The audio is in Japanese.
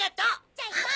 じゃあ行こう！